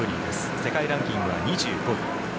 世界ランキングは２５位。